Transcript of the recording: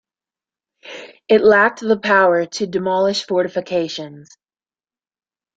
It lacked the power to demolish fortifications.